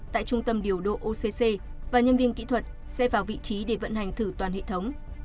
tại trung tâm điều độ occ và nhân viên kỹ thuật sẽ vào vị trí để vận hành thử toàn hệ thống